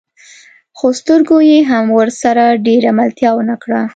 خو سترګو يې هم ورسره ډېره ملتيا ونه کړه.